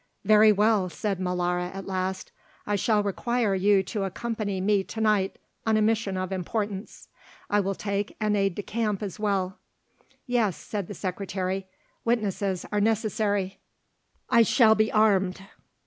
"Very well," said Molara at last, "I shall require you to accompany me to night on a mission of importance. I will take an aide de camp as well." "Yes," said the Secretary; "witnesses are necessary." "I shall be armed."